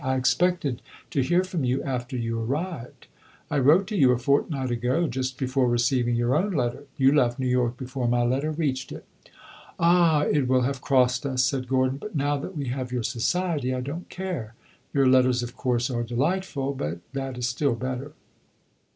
"I expected to hear from you after you arrived." "I wrote to you a fortnight ago just before receiving your own letter. You left New York before my letter reached it." "Ah, it will have crossed us," said Gordon. "But now that we have your society I don't care. Your letters, of course, are delightful, but that is still better."